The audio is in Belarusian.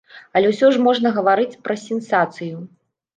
Але ўсё ж можна гаварыць пра сенсацыю.